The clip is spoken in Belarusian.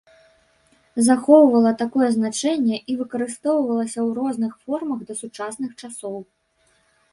Захоўвала такое значэнне і выкарыстоўвалася ў розных формах да сучасных часоў.